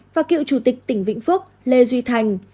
và cựu chủ tịch tỉnh vĩnh phúc lê duy thành